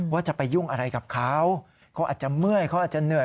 ว่าจะไปยุ่งอะไรกับเขาเขาอาจจะเมื่อยเขาอาจจะเหนื่อย